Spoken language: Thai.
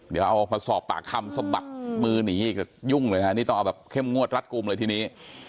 เดี๋ยวเอามาสอบปากคำสะบัดมือหนีอีกยุ่งเลยนะนี่ต้องเอาแบบเข้มงวดรัดกลุ่มเลยทีนี้